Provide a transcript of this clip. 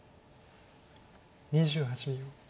２８秒。